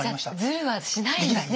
ズルはしないんですね